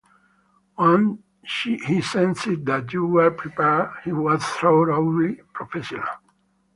Once he sensed that you were prepared he was thoroughly professional.